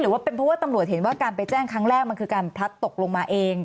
หรือว่าเป็นเพราะว่าตำรวจเห็นว่าการไปแจ้งครั้งแรกมันคือการพลัดตกลงมาเอง